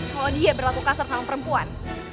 kalau dia berlaku kasar sama perempuan